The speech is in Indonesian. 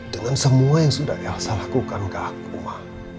dengan semua yang sudah elsa lakukan ke aku ma